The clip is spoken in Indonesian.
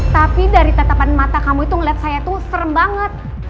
tapi dari tetepan mata kamu itu ngeliat saya tuh serem banget